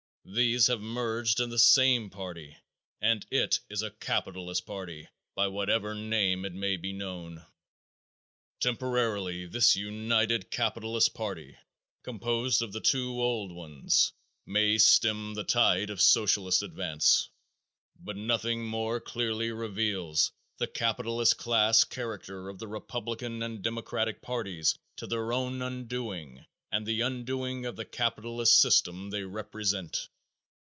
These have merged in the same party and it is a capitalist party, by whatever name it may be known. Temporarily this united capitalist party, composed of the two old ones, may stem the tide of Socialist advance, but nothing more clearly reveals the capitalist class character of the Republican and Democratic parties to their own undoing and the undoing of the capitalist system they represent.